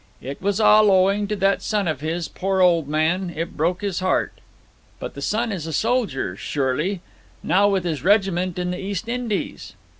'It was all owing to that son of his, poor old man. It broke his heart.' 'But the son is a soldier, surely; now with his regiment in the East Indies?'